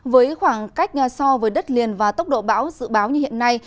với khoảng cách so với đất liền và tốc độ bão dự báo như hiện nay